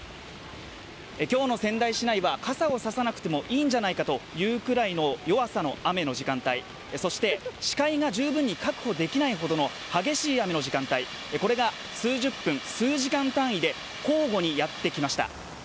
今日の仙台市内は傘を差さなくてもいいんじゃないかというぐらいの弱さの雨の時間帯そして視界が十分に確保できないほどの激しい雨の時間帯が、数十分数時間単位で交互にやってきました。